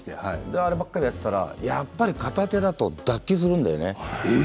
あればかりやっていたらやっぱり片手だと脱臼するんだよね。